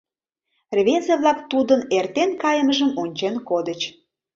Рвезе-влак тудын эртен кайымыжым ончен кодыч.